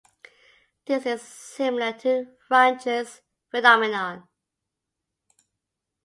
This is similar to Runge's phenomenon.